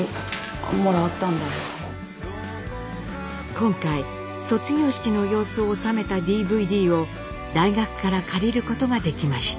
今回卒業式の様子を収めたＤＶＤを大学から借りることができました。